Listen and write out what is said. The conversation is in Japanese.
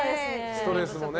ストレスもね。